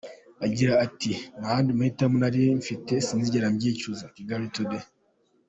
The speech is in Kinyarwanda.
Agira ati “Nta yandi mahitamo nari mfite, sinzigera mbyicuza!”Kigali Today.